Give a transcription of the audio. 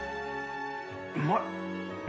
うまい。